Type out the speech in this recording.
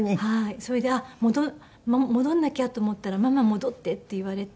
それで戻んなきゃと思ったら「ママ戻って」って言われて。